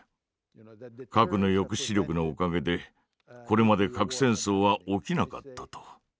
「核の抑止力のおかげでこれまで核戦争は起きなかった」と。